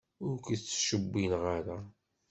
Ur k-ttcewwileɣ ara.